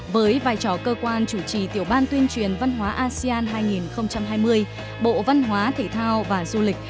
với vai trò cơ quan chủ trì tiểu ban tuyên truyền văn hóa asean hai nghìn hai mươi bộ văn hóa thể thao và du lịch